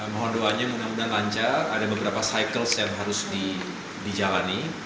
mohon doanya mudah mudahan lancar ada beberapa cycles yang harus dijalani